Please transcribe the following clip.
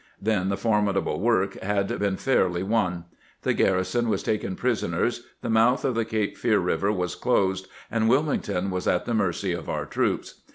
Then the formidable work had been fairly won. The garrison was taken prisoners, the mouth of the Cape Fear Eiver was closed, and Wilmington was at the mercy of our troops.